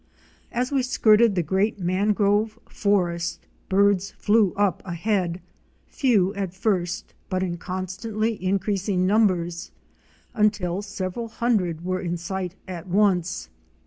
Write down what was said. As we skirted the great mangrove forest, birds flew up ahead, few at first but in constantly increasing numbers, until several hundred were in sight at once.